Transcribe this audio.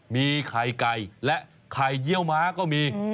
มีไข่ไก่และไข่เยี่ยวม้าก็มี